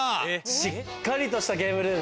しっかりとしたゲームルーム。